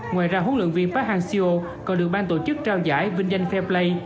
ngoài ra huấn luyện viên phát hàng siêu còn được ban tổ chức trao giải vinh danh fair play